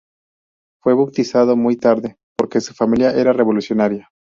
Fue bautizado muy tarde, porque su familia era revolucionaria.